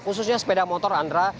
khususnya sepeda motor andra